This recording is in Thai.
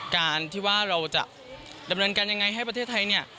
การที่ว่าเราจะดำเนินการยังไงให้ประเทศไทยเนี่ย